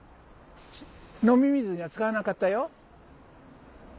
飲み水には使わなかったよ。